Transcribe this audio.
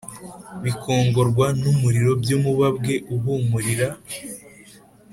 bikongorwa n umuriro by umubabwe uhumurira